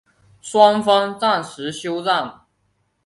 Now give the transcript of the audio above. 双方暂时休战。